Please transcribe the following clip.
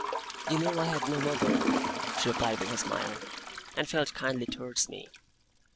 'You knew I had no mother,' she replied with a smile, 'and felt kindly towards me.